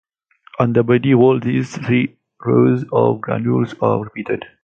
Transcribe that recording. On the body whorl these three rows of granules are repeated.